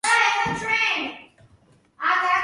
პროვინცია ბოლივიის დაბლობში მდებარეობს.